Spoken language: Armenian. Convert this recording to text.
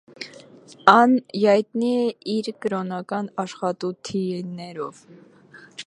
Ան յայտնի է իր կրօնական աշխատութիւններով։